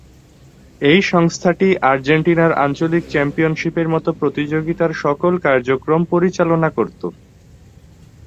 এই সংস্থাটি আর্জেন্টিনার আঞ্চলিক চ্যাম্পিয়নশিপের মতো প্রতিযোগিতার সকল কার্যক্রম পরিচালনা করতো।